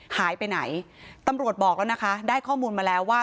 หายไปไหนตำรวจบอกแล้วนะคะได้ข้อมูลมาแล้วว่า